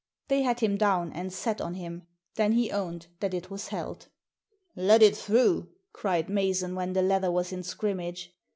They had him down, and sat on him. Then he owned that it was held. " Let it through," cried Mason, when the leather was in scrimmage.